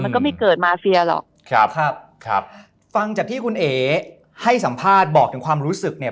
ก็ไม่เกิดมาเฟียหรอกครับครับฟังจากที่คุณเอ๋ให้สัมภาษณ์บอกถึงความรู้สึกเนี่ย